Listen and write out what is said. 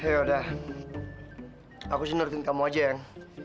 ya udah aku sih nurutin kamu aja yang